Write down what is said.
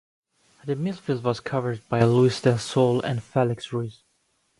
The midfield was covered by Luis Del Sol and Felix Ruiz.